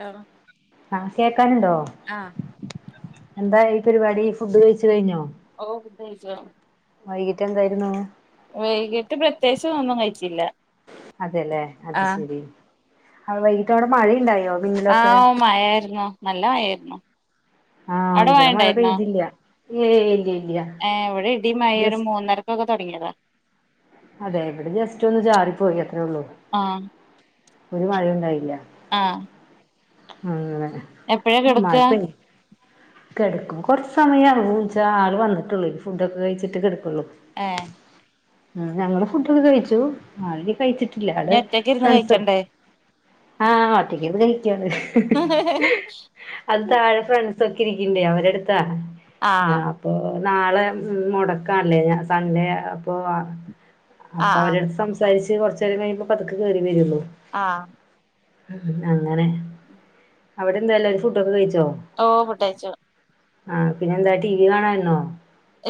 ഹോ ആ കേൾക്കാനുണ്ടോ? ആഹ് എന്തായി പരിപാടി ഫുഡ് കഴച്ച് കഴിഞ്ഞോ? ഓഹ് ഫുഡ് കഴിച്ചോ വൈകിട്ടന്തായിരുന്നു? വൈകിട്ട് പ്രത്യേകിച്ച് ഒന്നും കഴിച്ചില്ല. അതെല്ലെ അത് ആഹ് ശെരി അഹ് വൈകിട്ട് അവിടെ മഴയുണ്ടായോ മിന്നലൊക്കെ ആഹ് ഓഹ് മായായിരുന്നു നല്ല മയായിരുന്നു ആഹ് ഇവിടെ മഴ പെയ്തില്ല ഏയ് ഇല്ല ഇല്ല ഏഹ് ഇവിടെ ഇടിം മയു ഒരു ജസ്റ്റ് മൂന്നരക്കൊക്കെ തുടങ്ങിയതാ അതെ ഇവിടെ ജസ്റ്റ് ഒന്ന് ചാറിപ്പോയി അത്രയേള്ളൂ ആഹ് ഒരു മയു ണ്ടായില്ല. ആഹ് അങ്ങനെ എപ്പോഴാ കിടക്ക മഴ പെയ് കിടക്കും കുറച്ച് സമയാഉ ച്ച ആൾ വന്നിട്ടുള്ളൂ ഫുഡ്ഡോക്കെ കഴിച്ചിട്ട് കിടുക്കുള്ളു ഏഹ് ഉം ഞങ്ങള് ഫുഡൊകെ കഴിച്ചു ആൾ കഴിച്ചിട്ടില്ല ഇനി ആള് ഒറ്റക്ക് ഇരുന്ന് ഫ്രണ്ട്സ് കഴിക്കണ്ടേ ആഹ് ഒറ്റയ്ക്ക്ത് കയിക്കന്ന് അത് താഴെ ഫ്രണ്ട്സക്കെ ഇരിക്ണ്ടേ അവരെടുത്താ ആഹ് പ്പോ നാളെ മുടക്കാല്ലേ ഞാൻ സൺഡേ അപ്പോ ആഹ് ആഹ് അപ്പൊ ആഹ് അവരടുത്ത് സംസാരിച്ച് കൊർചേരം കഴിയുമ്പൊ പതുകെ കേറി വരുള്ളു ആഹ് ഉം അങ്ങനെ അവിടെ എന്താല്ലരു ഫുഡൊക്കെ കഴിച്ചോ ഓഹ് ഫുഡയിച്ചു ആഹ് പിന്നെ എന്താ ടി വി കാണാന്നോ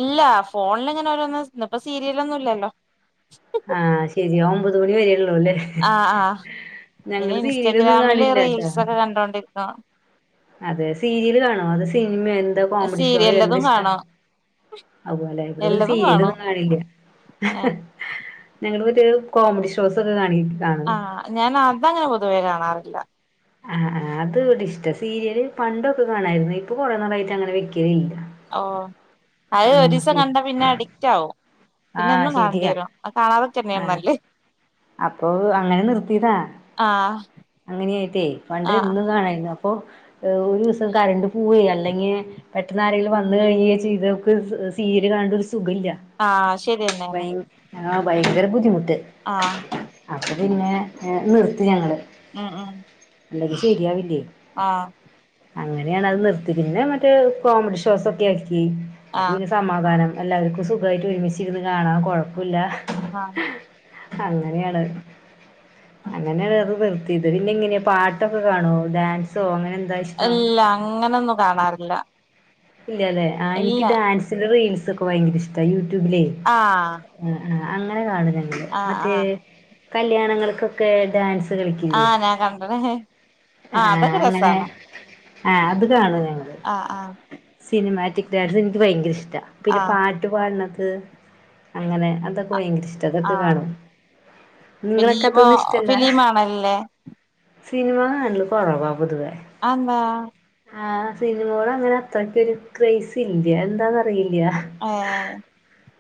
ഇല്ല ഫോണിൽ ഇങ്ങനെ ഓരോന്നും ഇപ്പ സീരിയലൊന്നും ഇല്ലല്ലോ ആഹ് ശരി ഒമ്പത് മണി വരെ ഉള്ളൂ അല്ലേ ആഹ് ആഹ് ഇനി ഞങ്ങള് സീരിയലൊന്നും ഇൻസ്റ്റഗ്രാമില് കാണില്ലാട്ടാ റീൽസൊക്കെ കണ്ടോണ്ടിരിന്നു അതെ സീരിയല് കാണോ അത് സിനിമയോ എന്താ കോമഡി ഷോയോ എന്താ സീരിയല്ലതും ഇഷ്ടം കാണും അഹ് പോല്ലെ ഇവിടെ പിന്നെ എല്ലതും കാണും സീരിയലൊന്നും കാണില്ല ഏഹ് ഞങ്ങൾ ഒരു കോമഡി ഷോസ് ഒക്കെ കാണിക്കും ആഹ് ഞാൻ അതങ്ങനെ പൊതുവേ കാണാറില്ല ആഹ് ആഹ് അത് തിഷ്ട സീരിയല് പണ്ടൊക്കെ കാണായിരുന്നു ഇപ്പൊ കുറെ നാളായിട്ട് അങ്ങനെ വെക്കല് ഇല്ല ഓഹ് അഹ് ഒരീസം കണ്ട പിന്നെ അഡിക്റ്റ് ആവും പിന്നെ ആഹ് എന്നും കാണണ്ടി ശരിയാ വരും അത് കാണാതൊക്കെന്ന ആഹ് നല്ലത് അപ്പൊ അങ്ങനെ നിർത്തിയതാ ആഹ് അങ്ങനെയായിട്ടേ പണ്ട് ആഹ് എന്നും കാണായിരുന്നു അപ്പൊ ഒരു ദിവസം കറണ്ട് പൂവേ അല്ലെങ്കി പെട്ടെന്ന് ആരേങ്ക്ലു വന്ന് കഴിഞെ ചെയ്തോക്ക് സീര് കാണണ്ട ഒരു സുഖല്ല ആഹ് ശരിയെന്നെണ് ആഹ് ഭയങ്കര ബുദ്ധിമുട്ട് ആഹ് അപ്പ പിന്നെ എഹ് നിർത്തി ഞങ്ങള് ഉം ഉം അല്ലെങ്കി ശരിയാാവില്ലേ ആഹ് അങ്ങനെയാണ് അത് നിർത്തി പിന്നെ മറ്റേ കോമഡി ഷോസ്ക്കെ ആക്കി അത് ആഹ് നെ സമാധാനം എല്ലാവർക്കും സുഖയിട്ട് ഒരുമിച്ചിരുന്ന് കാണാം കുഴപ്പല്ല ആഹ് അങ്ങനെയാണ് അങ്ങനെയാണ് അത് നിർത്തിയത് പിന്നെ ഇങ്ങനെയെ പാട്ടൊക്കെ കാണോ ഡാൻസോ അങ്ങനെ എന്താഷ് അല്ല അങ്ങനൊന്നും കാണാറില്ല ഇല്ല അല്ലേ ആഹ് എനിക്ക് ഇല്ല ഡാൻസിന്റെ റീൽസ് ഒക്കെ ഭയങ്കര ഇഷ്ട യൂട്യൂബിലേ ആഹ് ആഹ് ആഹ് അങ്ങനെ കാണും ഞങ്ങളൾ ആഹ് മറ്റേ ആഹ് കല്യാണങ്ങൾക്കൊക്കെ ഡാൻസ് കളിക്കിലെ ആഹ് ഞാൻ കണ്ട്ണ് ആഹ് ആഹ് അതൊക്കെ അങ്ങനെ രസാണ് ആഹ് അത് കാണും ഞങ്ങൾ ആഹ് ആഹ് സിനിമാറ്റിക് ഡാൻസ് എനിക്ക് ഭയങ്കര ഇഷ്ടപിന്നെ പാ ആഹ് ട്ടുപാടണതൊക്കെ അങ്ങനെ അതൊക്കെ അഹ് ഭയങ്കര ഇഷ്ട ഇതൊക്കെ ആഹ് കാണും നിങ്ങളൊക്കെ ഫിലീമോ അതൊന്നും ഇഷ്ടല്ലാ ഫിലീമാണല്ലേ സിനിമ കാണൽ കുറവ പൊതുവേ ആന്താ ആഹ് സിനിമകള അങ്ങനെ അത്രക്ക് ഒരു ക്രേസ് ഇല്ല എന്താന്ന് അറില്ല ഏഹ്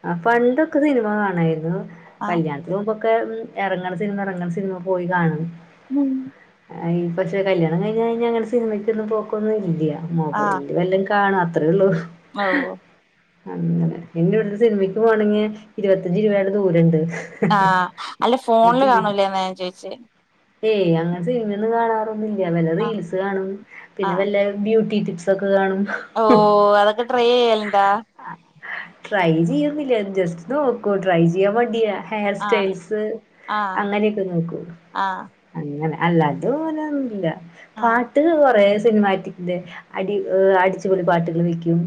ആഹ് പണ്ടൊക്കെ സിനിമ കാണായിരുന്നു ആഹ് കല്യാണം ഇത് മുമ്പൊക്കെ ഇറങ്ങണ സിനിമ ഇറങ്ങണ സിനിമ പോയി കാണും ഉം ഈ [unintelligible] കല്യാണം കഴിഞ്ഞ് കഴിഞ്ഞ അങ്ങനെ സിനിമക്കൊന്നും പോക്കൊന്നും ഇല്ല മൊബൈല് വല്ല കാണ അത്രേ ഉള്ളൂ ഓ അങ്ങനെ ഇ ഇവിടുത്തെ സിനിമയ്ക്ക് പോകണെങ്കിൽ ഇരുപത്തഞ്ച് രൂപയുടെ ദൂരണ്ട് ആഹ് അല്ല ഫോണില് തിരി കാണൂലേന്ന ഞാൻ ചോദിച്ചേ ഏയ് അങ്ങനെ സിനിമയൊന്നും കാണാറൊന്നില്ല വല്ല ആഹ് റീൽസ് കാണും പിന്നെ ആഹ് വല്ല ബ്യൂട്ടി ടിപ്സ് ഒക്കെ കാണും ഓ അതൊക്കെ ട്രൈ ചെയ്യലുണ്ടാ ട്രൈ ചെയ്യുന്നില്ല ജസ്റ്റ് നോക്കൂ ട്രൈ ചെയ്യാൻ മടിയാ ഹെയർ ആഹ് സ്റ്റൈൽസ് ആഹ് അങ്ങനെയൊക്കെ നോക്കൂ ആഹ് അങ്ങനെ അല്ല അതോലന്നല്ല പാ ആഹ് ട്ട് കുറെേ സിനിമാറ്റിന്റെ അടി അടിച്ചുപൊളിപാട്ടുകൾ വെക്കും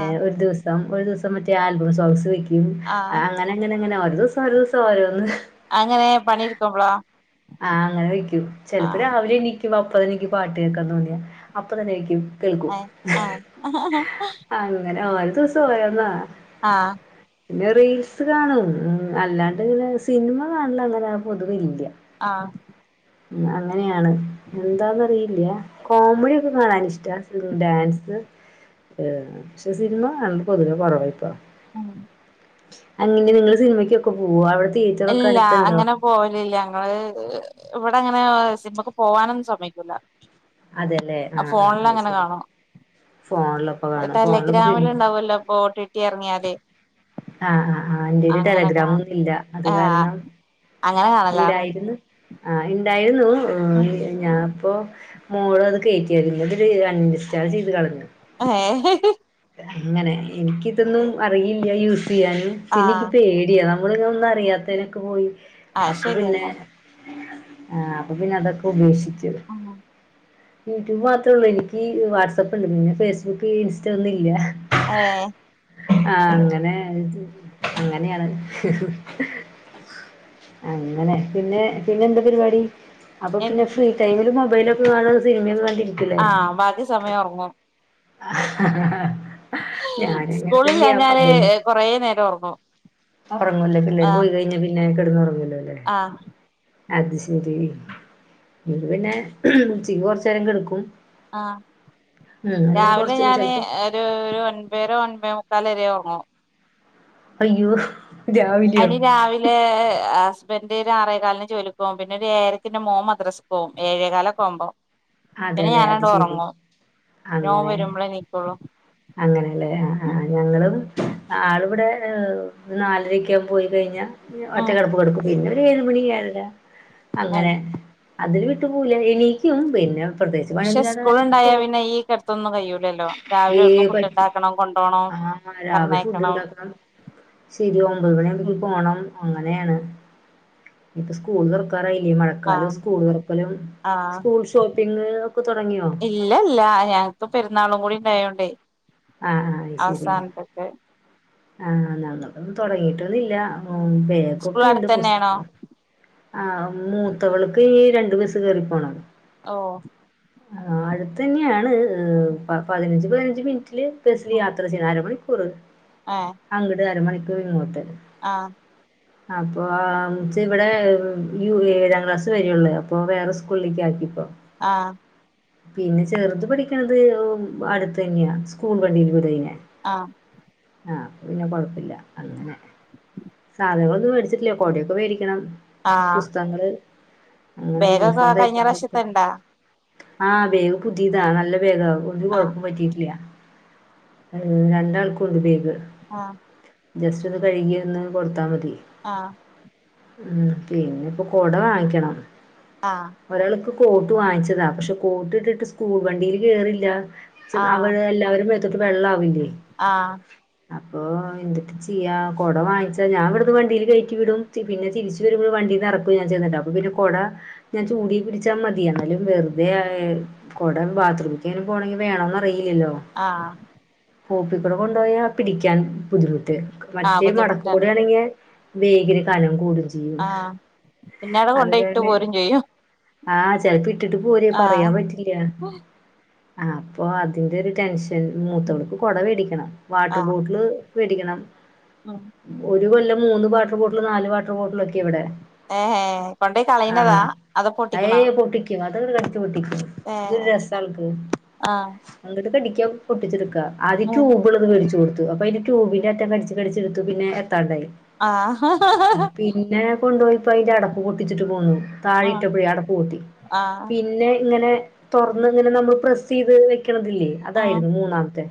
ആഹ് ഒരു ദിവസം ഒരു ദിവസം മറ്റേ ആൽബം സോങ്സ് വെക്കും ആഹ് അങ്ങനെ അങ്ങനെങ്ങന ഒരു ദിവസം ഒരു ദിവസം ഓരോന്ന് അങ്ങനെ പണിട്ക്കുമ്പളോ ആഹ് അങ്ങനെ വെക്കും ചിലപ്പപ്പോ രാവിലെ എിക്കുമ്പ അപ്പ തന്നെനിക്ക് പാട്ട് കേൾക്കാൻ തോന്നിയ അപ്പ തന്നെ വെക്കും കേൾക്കൂ ഏഹ് ആഹ് അങ്ങനെ ഒരോ ദിവസം പോയന്നാ ആഹ് പിന്നെ റീൽസ് കാണും അല്ലാണ്ട് ഇങ്ങനെ സിനിമ കാണല് അങ്ങനെ പൊതുവില്ല ആഹ് അങ്ങനെയാണ് എന്താന്ന്റിയില്ല കോമഡിയ ഒക്കെ കാണൻ ഇഷ്ട പിന്നെ ഡാൻസ് ഏഹ് പക്ഷെ സിനിമ കാണല് പൊതുവേ കുറവായിപ്പാ [unintelligible] അങ്ങനെ നിങ്ങൾ സിനിമയ്ക്കൊക്കെ പോക അവിടെ തിയേറ്ററൊക്കെ ഇല്ല അടുത്തുണ്ടോ അങ്ങനെ പോലില്ല ഞങ്ങള് ഇവിടെ അങ്ങനെ സിനിമക്ക് പോവാനൊന്നും സമക്കൂല്ല അതെല്ലേ ആഹ് ഫോണില് അത് അങ്ങനെ ശരി കാണും ഫോണിലൊക്കെ കാണും ടെല ഫോണിലിപ്പോ ഗ്രാമില സിനിമ ഉണ്ടാവല്ലോ ഒട്ടിട്ടി ഇറങ്ങിയാല് ആഹ് ആഹ് ആഹ് എന്റെയ്ല് ടെലഗ്രാം ഒന്നുല്ല അത് ആഹ് കാരണം അങ്ങനെ കാണലാണ് ഇണ്ടായിരുന്നു ആഹ് ഇണ്ടായിരുന്നു ആഹ് ഞാൻപ്പോ മോള് അത് കയറ്റി അയിരുന്നു അൺ ഇൻസ്റ്റാൾ ചെയ്ത് കളഞ്ഞു [unintelligible] അങ്ങനെ എനിക്കിതൊന്നും അറിയില്ല യൂസ് ചെയ്യാൻ പിന്നെ ആഹ് എനിക്ക്പ്പോ പേടിയതാ നമ്മളിങ്ങനെ ഒന്നും അറിയാത്തേനൊക്കെ പോയി അത് അപ്പൊ ശരിയെന്നെ പിന്നെ ആഹ് അപ്പൊ പിന്നെ അതൊക്കെ ഉപേക്ഷിച്ചു യൂട്യൂബ് മാത്രമേ ഉള്ളൂ എനിക്ക് വാട്സആപ്പ് ഉണ്ട് പിന്നെ ഫേസ്ബുക്ക് ഇൻസ്റ്റ ഒന്നും ഇല്ല ഏഹ് ആഹ് അങ്ങനെ അങ്ങനെയാണ് അങ്ങനെ പിന്നെ പിന്നെ എന്താ പരിപാടി അപ്പ എൻ പിന്നെ ഫ്രീ ടൈമില് മൊബൈലൊക്കെ കാണാ സിനിമയൊന്നും കണ്ടിരിക്കൂലേ? ആഹ് ബാക്കി സമയം ഒറങ്ങും ആ സ്കൂളില്ലാഞ്ഞാല് കൊറേനേരം ഓർങ്ങും ഒറങ്ങുല്ലേ? പിള്ളേര് പോയി കഴിഞ്ഞാ പിന്നെ കെടന്ന് ഒറങ്ങൂലോല്ലേ? ആഹ് അത് ശരി. ഇത് പിന്നെ ഉച്ചിക്ക് കൊറച്ചേരം കെടുക്കും. ആഹ് രാവിലെ കൊറച്ച് ഞാന് ചെലപ്പോ ഒരു ഒൻപര ഒൻപതേ മുക്കാല് വരെ ഒറങ്ങും അയ്യോ രാവിലെയോ അയിന് രാവി ല് ഹസ്ബൻഡ് ഒര് ആറേകാലിന് ജോലിക്ക് പോവും. പിന്നെ ഒരു ഏയരയ്ക്ക് എന്റെ മ്വോൻ മദ്രസ്ക്ക് പോവും. ഏഴേകാലൊക്കെ ആവുമ്പോൾ പിന്നെ അതെല്ലേ അത് ഞാനങ്ങട് ശരി ഒറങ്ങും ഞാൻ ഓൻ വരുമ്പളേ നീക്കോള്ളൂ അങ്ങനല്ലേ? ആഹ് ആഹ് ഞങ്ങളും ആളിവിടെ നാലരക്കേ ആവുമ്പോ പോയി കഴിഞ്ഞാൽ ഉം ഒറ്റകെടപ്പ് കെടക്കും. പിന്നൊരു ഏഴ് മണി ഏഴര ഏഹ് അങ്ങനെ അതില് വിട്ടു പൂവില്യ. എണീക്കും പിന്ന പ്രത്യേകിച്ച് പണിയൊന്നും പക്ഷെ ഇല്ലാത്ത സ്കൂൾ കാരണം സോ ഉണ്ടായാ പിന്നെ ഈ കെടത്തൊന്നും കയ്യൂലല്ലോ രാവിലെ ഓൽക്ക് ഏഹ് ഫുഡ് പറ്റി ഉണ്ടാക്കണം കൊണ്ടോണം ആഹ് രാവിലെ ഫുഡ് പറഞ്ഞയക്കണം ഉണ്ടാക്കണം ശരി ഒമ്പത് മണി ആകുമ്പേക്ക് ഉം പോണം അങ്ങനെയാണ് ഇപ്പ സ്കൂൾ തുറക്കാറായില്ലേ മഴക്ക ആഹ് സ്കൂള് തൊറക്കലും ആഹ് സ്കൂൾ ഷോപ്പിങ് ഒക്ക തൊടങ്ങ്യോ? ഇല്ല ഇല്ല ഞങ്ങൾക്ക് പെരുന്നാളും കൂടി ഇണ്ടായോണ്ടേ ആഹ് ആഹ് അത് ശരി ആഹ് നമ്മക്കും തൊടങ്ങിയിട്ടൊന്നുല്ല ഉം സ്കൂൾ ബാഗോക്കെണ്ട് അടുത്തന്നെയാണോ പുസ്തകങ്ങള് ആഹ് മൂത്തവൾക്ക് ഈ രണ്ടു ബസ്സ് കേറിപ്പോണം. ഓഹ് ആഹ് അടുത്തന്ന്യാണ് ഏഹ് പതിനഞ്ച് പതിനഞ്ച് മിനി റ്റ്ല് ബസ്സില് യാത്ര ചെയ്യണം. അര മണിക്കൂറ്. ആഹ് അങ്ക്ട് അരമണിക്കൂറ് ഇങ്ങോട്ട് ആഹ് അപ്പോ ആം എന്നച്ച ഇവിടെ യൂ ഏഴാം ക്ലാസ് വരേള്ള്വേ. അപ്പോ വേറെ സ്കൂളിലേക്ക് ആക്കിപ്പോൾ ആഹ് പിന്നെ ചെറ്ത് പഠിക്കണത് ങ്ഹും അടുത്ത് തന്നെയാ സ്കൂൾ വണ്ടിൽ വിടും അയിനെ ആഹ് ആഹ് അപ്പ പിന്ന കൊഴപ്പില്ല അങ്ങനെ. സാധനങ്ങളൊന്നും വേടിച്ചിട്ടില്ല കൊടയൊക്കെ വേടിക്കണം. ആ പുസ്തകങ്ങള് അങ്ങനെ ബേഗൊക്കെ യൂണിഫോം കഴിഞ്ഞ തയ്ക്കാൻ കൊടുത്തു പ്രാവശ്യത്തെ ഇണ്ടാ ആഹ് ബാഗ് പുതിതാ. നല്ല ബാഗാ ഒരു ആ കൊഴപ്പും പറ്റിട്ടില്ല. ഉം രണ്ടാൾക്കും ഉണ്ട് ബാഗ് ആഹ് ജസ്റ്റ് ഒന്ന് കഴുകി ഒന്ന് കൊടുത്താ മതി ആഹ് ഉം പിന്നെപ്പ കൊട വാങ്ങിക്കണം ആഹ് ഒരാൾക്ക് കോട്ട് വാങ്ങിച്ചതാ. പക്ഷേ കോട്ട് ഇട്ടിട്ട് സ്കൂൾ വണ്ടീല് കേറില്ല. ച്ച് ആ അവൾ എല്ലാവര്ടേം മേത്തോട്ട് വെള്ളാവില്ലേ? ആ ഓ എന്തിട്ട് ചെയ്യാ കൊട വാങ്ങിച്ചാ ഞാൻ ഇവിടുന്ന് വണ്ടിൽ കയറ്റി വിടും പിന്നെ തിരിച്ചു വണ്ടീന്ന് ഇറക്ക ഞാൻ ചെയ്യണണ്ട അപ്പ പിന്നെ കൊട ഞാൻ ചൂടി പിടിച്ചാ മതി എന്നാലും വെറുതെ കുട ബാത്റൂമിലേങ്ങനും പോണെങ്കിൽ വേണോന്നറിയില്ലല്ലോ ആഹ് പോപ്പി കുട കൊണ്ടുപോയാ പിടിക്കാൻ ബുദ്ധിമുട്ട് ആ മറ്റേ മടക്ക് ബുദ്ധിമുട്ടാണ് കൂടെയാണെങ്കി ബേഗിന് കനം കൂടും ചിയ്യും ആ പിന്നവിടെ കൊണ്ടോയി ഇട്ട് അത്കണ്ട് പോരും ചെയ്യും ആഹ് ച്ചെലപ്പൊ ഇട്ടിട്ട് പോരുഎ ആ പറയാൻ പറ്റി ഇല്ല അപ്പൊ അതിലൊരു ടെൻഷൻ മൂത്തവൾക്ക് കൊട വേടിക്കണം വാട്ടർ ആ ബോട്ടില് വേടിക്കണം ഉം ഒരു കൊല്ലം മൂന്ന് വാട്ടർ ബോട്ടിൽ നാല് വാട്ടർ ബോട്ടിലൊക്കെയാ ഇവിടെ ഏ കൊണ്ടോയി കളയണതാ ആഹ് അതോ പൊട്ടിക്കണ ഏയ് പൊട്ടിക്കും അതങ്ങട് കടിച്ചു പൊട്ടിക്ക ഇതൊരു രസ ആൾക്ക് ആ അങ്ങിട്ട് കടിക്ക പൊട്ടിച്ചെടുക്ക ആദ്യ ഓളത് കടിച്ചു കൊടുത്തു അപ്പൊ അയിന്റെ ട്യൂബിന്ററ്റം കടിച്ച് കടിച്ചെടുത്തു പിന്നെ എത്താണ്ടായി ആ പിന്നെ കൊണ്ടോ പോയിപ്പോ അതിന്റെ അടപ്പ് പൊട്ടിച്ചിട്ട് പോണു താഴീട്ടപ്പോഴേ അടപ്പ് പൊട്ടി ആ പിന്നെ ഇങ്ങനെ തൊറന്ന് ഇങ്ങനെ നമ്മള് പ്രസ് ചെയ്ത് വെക്കണതില്ലേ ആ അതായിരുന്നു മൂന്നാമത്തെ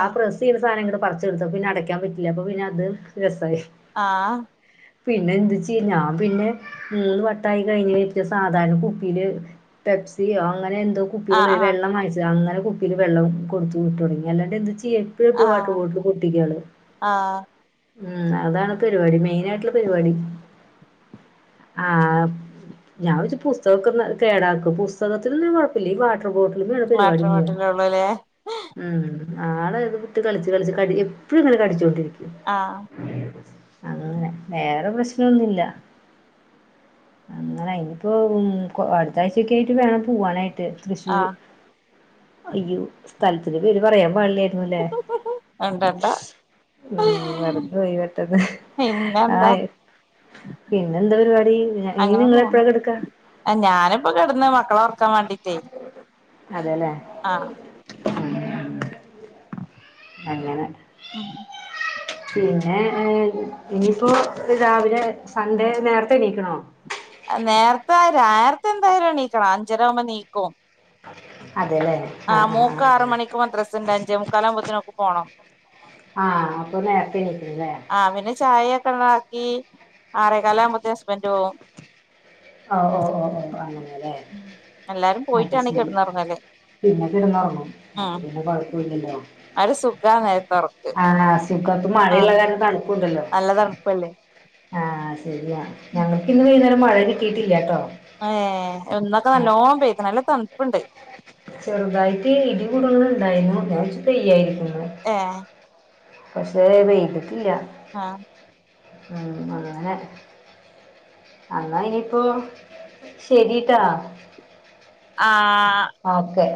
ആ പ്രസ് സീ സാധനങ്ങള് പറിച്ചടുത്ത പിന്ന അടക്കാൻ പറ്റില്ല അപ്പൊ പിന്നെ അത് രസായി ആഹ് പിന്നെ എന്ത് ചി ഞാൻ പിന്നെ മൂന്ന് വട്ടായി കഴിഞ്ഞ ഇ സാധാരണ കുപ്പീല് പെപ്സിയോ അങ്ങനെ എന്തോ ആഹ് കുപ്പികള് ആഹ് വെള്ളം വാങ്ങിച്ചത് അങ്ങനെ കുപ്പില് വെള്ളം കൊടുത്തുവിട്ടുതുടങ്ങി അല്ലാണ്ട് എന്ത ചിയ്യ വാട്ടർ ആഹ് ബോട്ടില് പൊട്ടിക്കാണ് ആഹ് ഉം അതാണ് പെര്പാടി മെയിനായിട്ടുള്ള പെര്പാടി ആഹ് ഞാൻ വച്ച് പുസ്തകക്കെ കേടാക്കും പുസ്തകത്തിൽ കുഴപ്പില്ല ഈ വാ ട്ടർ ബോട്ടിൽ വാട്ടർ ബോട്ടിലെ ഉള്ളു ല്ലേ ഉം ആളെ ഇത് വിട്ട് കളിച്ച് കളച്ച് ക എപ്പഴും ഇങ്ങനെ കടിച്ചു ആഹ് അങ്ങനെ വേറെ പ്രശ്നൊന്നില്ല അങ്ങനെ അയിനിപ്പോ അടുത്താഴ്ചൊക്കെ ആയിട്ട് വേണം പൂ വാനായിട്ട് തൃശ്ശൂര് ആഹ് അയ്യോ സ്ഥലത്തിന്റെ പേര് പറയാൻ പാടില്ല ഉണ്ട ഉം മറന്ന് പോയി പെട്ടെന്ന് പിന്നെന്താ? ആഹ് പിന്നെന്താ പരിപാടി ഇനി നിങ്ങളെപ്പഴാ കെടക്കാ ഞാനിപ്പ കെടന്നു മക്കളോ അതെല്ലേ ആഹ് അങ്ങന ആഹ് പിന്നേ ഇനിപ്പോ രാവിലെ സൺഡേ നേരത്തെ എണീക്കണോ നേർത്തെ നേർത്തെ എന്തായാലും നീക്കണം അഞ്ചരാവുമ്പോ ണീക്കും അതേല്ലേ ആഹ് മൂക്ക് ആറ് മണിക്ക് മദ്രസിണ്ട് അഞ്ചേ മുക്കാലാമ്പത്തിനവക്ക് പോണം ആ ആ അപ്പൊ നേരത്തെ എണീക്കണല്ലേ ആ പിന്നെ ചായയക്കെ ആറേകാലകുമ്പത്തേ അസ്ബൻഡ് പോവും ഓ ഓ ഓ ഓ അങ്ങനെല്ലേ എല്ലാരും പോയിട്ടാണി കെടന്നൊറങ്ങല് പിന്നെ കെടന്നൊറങ്ങു അപ്പൊ പിന്നെ കൊഴപ്പൊല്ലല്ലോ ഒരു സുഖാ നേരത്തെ ഒറക്ക് ആണ സുഗം മഴഇള്ള ആഹ് കാരണം തണുപ്പുണ്ടല്ലോ നല്ല തണുപ്പല്ലേ ആഹ് ശെരിയാ ഞങ്ങൾക്കിന്ന് വൈന്നേരം മഴ കിട്ടിയിട്ടില്ലാട്ടോ ഏഹ് ഇന്നൊക്കെ നല്ലോണം പേക്കണ് നല്ല തണുപ്പുണ്ട് ചെറുതായിട്ട് ഇടികൂടങ്ങ ഉണ്ടായിരുനു ഞാൻ വിജാരിച്ചു പെയ്യായിരിക്കുന്ന് ഏഹ് പക്ഷെ പെയ്ത്ട്ടില്ലാ ആഹ് ഉം അങ്ങനെ എന്നാ ഇനിപ്പോ ശരിട്ടാ ആഹ് ആഹ് ഓക്കെ